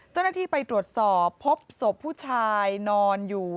เจ้าหน้าที่ไปตรวจสอบพบศพผู้ชายนอนอยู่